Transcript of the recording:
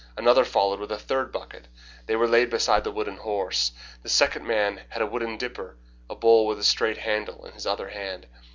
Another followed with a third bucket. They were laid beside the wooden horse. The second man had a wooden dipper a bowl with a straight handle in his other hand.